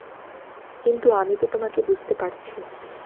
কিন্তু আমি তো তোমাকে বুঝতে পারছি।